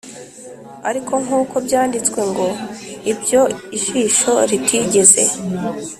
Ariko nk uko byanditswe ngo Ibyo ijisho ritigeze